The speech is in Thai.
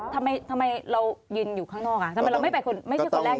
ทำไมเรายืนอยู่ข้างนอกทำไมเราไม่ใช่คนแรกที่เข้าไป